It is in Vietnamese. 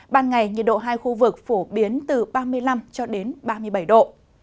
ban ngày nhiệt độ hai khu vực phổ biến từ ba mươi năm cho đến ba mươi bảy độ